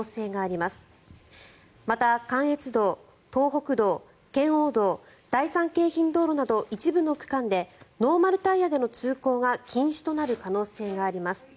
また、関越道、東北道、圏央道第三京浜道路など一部の区間でノーマルタイヤでの通行が禁止となる可能性があります。